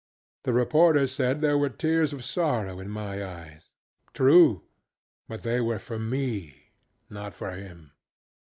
The reporters said there were tears of sorrow in my eyes. TrueŌĆöbut they were for me, not for him.